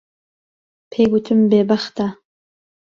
پێی گوتم بێبەختە.